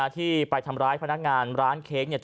ที่ไปทำร้ายพนักงานร้านเค้กเนี่ย